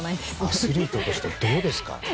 アスリートとしてどうですか？